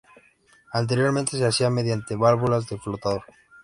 Anteriormente se hacía mediante válvulas de flotador.